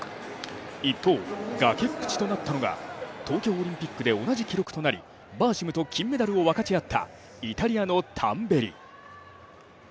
一方、崖っぷちとなったのが東京オリンピックで同じ記録となり、バーシムと金メダルを分かち合ったイタリアのタンベリ。